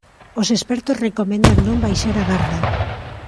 Os expertos recomendan non baixar a garda.